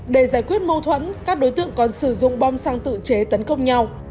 để giải quyết mâu thuẫn các đối tượng còn sử dụng bom xăng tự chế tấn công nhau